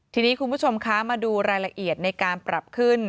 ทีนี้คุณผู้ชมคะมาดูรายละเอียดในการปรับขึ้น